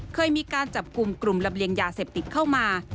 เคยมีการจับกลุ่มกลุ่มลำเลียงยาเสพติดเข้ามา